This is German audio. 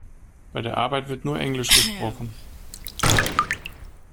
Bei der Arbeit wird nur Englisch gesprochen.